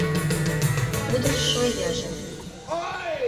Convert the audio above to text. Кудымшо йыжыҥ